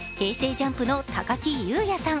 ＪＵＭＰの高木雄也さん